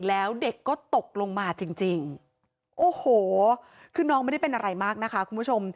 แล้วเด็กก็ตกลงมาจริงจริงโอ้โหคือน้องไม่ได้เป็นอะไรมากนะคะคุณผู้ชม